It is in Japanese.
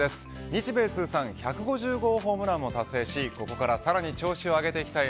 日米通算１５０号ホームランを達成しここからさらに調子を上げていきたい